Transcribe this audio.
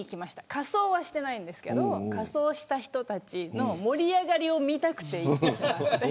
仮装はしてないんですけど仮装した人たちの盛り上がりを見たくて行った。